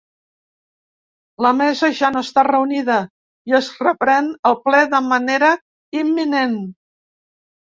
La mesa ja no està reunida i es reprèn el ple de manera imminent.